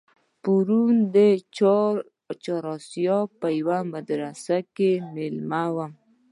پرون د چهار آسیاب په یوه مدرسه کې مېلمه وم.